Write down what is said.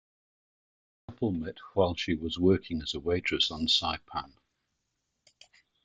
The couple met while she was working as a waitress on Saipan.